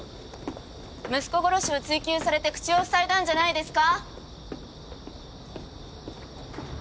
息子殺しを追及されて口を塞いだんじゃないですか？